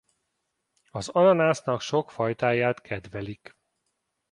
Az ananásznak sok fajtáját kedvelik.